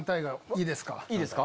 いいですか？